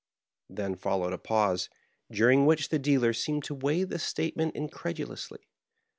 Then followed a pause, during which the dealer seemed to weigh this statement incredulously.